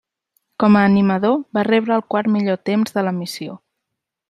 Com a animador, va rebre el quart millor temps de l'emissió.